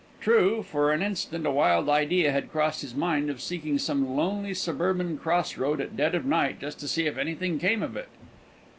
True, for an instant a wild idea had crossed his mind, of seeking some lonely suburban cross road at dead of night, just to see if anything came of it.